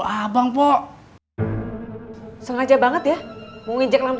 kenapa tuker lu bakal tapi lanjut